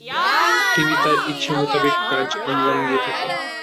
তিনি তার ইচ্ছা মুতাবিক কাজ আঞ্জাম দিয়ে থাকেন।